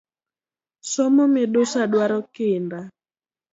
Somo midusa duaro kinda?